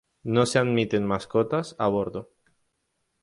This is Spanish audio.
No se admiten mascotas a bordo.